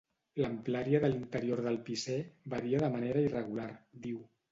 L'amplària de l'interior del Picè varia de manera irregular, diu.